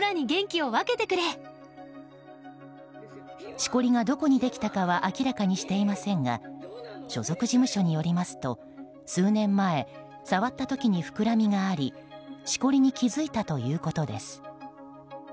しこりが、どこにできたかは明らかにしていませんが所属事務所によりますと、数年前触った時にふくらみがありしこりに気付いたということです。